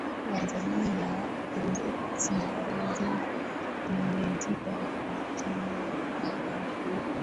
watanzania gazeti la uhuru limeandika kwa kina habari hii